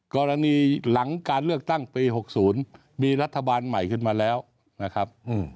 กรณีหลังการเลือกตั้งปี๖๐มีรัฐบาลใหม่ขึ้นมาแล้วนะครับ